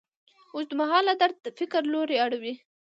اوږدمهاله درد د فکر لوری اړوي.